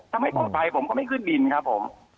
ถ้าไม่ปลอดภัยผมก็ไม่ขึ้นบินครับผม